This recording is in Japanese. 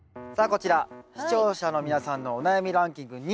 こちら視聴者の皆さんのお悩みランキング２位。